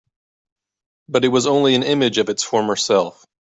But it was only an image of its former self.